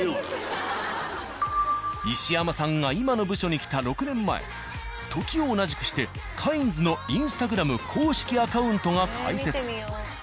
石山さんが今の部署に来た６年前時を同じくして「カインズ」のインスタグラム公式アカウントが開設。